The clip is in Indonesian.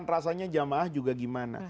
rasanya jam'ah juga gimana